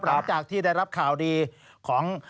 หลังจากที่ได้รับข่าวดีของ